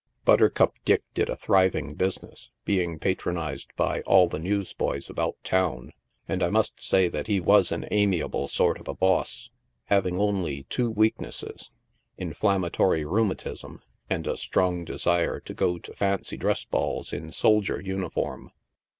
Butter Cake Dick did a thriving business, being patronized by all the newsboys about town, and 1 must say that he was an amia ble sort of a boss, having only two weaknesses — inflammatory rheu matism, and a strong desire to go to fancy dress balls in soldier uniform.